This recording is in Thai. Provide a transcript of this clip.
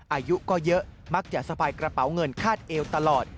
อายุก็เยอะมักจะสะพายกระเป๋าเงินคาดเอวตลอด